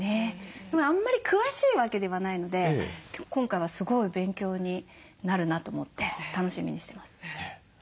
でもあんまり詳しいわけではないので今回はすごい勉強になるなと思って楽しみにしてます。